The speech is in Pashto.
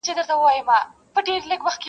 • پلار ورو ورو کمزوری کيږي ډېر..